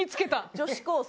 女子高生。